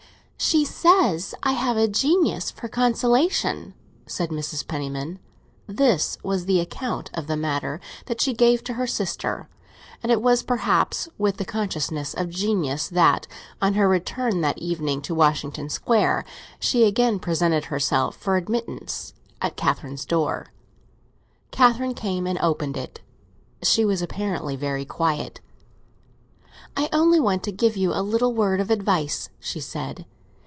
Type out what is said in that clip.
"She says I have a genius for consolation," said Mrs. Penniman. This was the account of the matter that she gave to her sister, and it was perhaps with the consciousness of genius that, on her return that evening to Washington Square, she again presented herself for admittance at Catherine's door. Catherine came and opened it; she was apparently very quiet. "I only want to give you a little word of advice," she said.